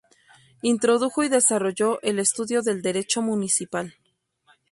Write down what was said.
Introdujo y desarrolló el estudio del derecho municipal.